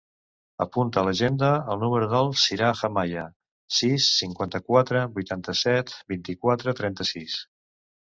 Apunta a l'agenda el número del Siraj Amaya: sis, cinquanta-quatre, vuitanta-set, vint-i-quatre, trenta-sis.